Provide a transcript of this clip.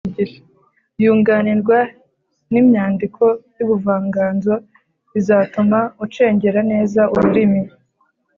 yunganirwa n’imyandiko y’ubuvanganzo bizatuma ucengera neza ururimi